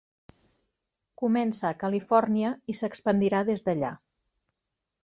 Comença a Califòrnia, i s'expandirà des d'allà.